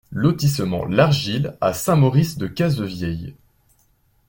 Lotissement l'Argile à Saint-Maurice-de-Cazevieille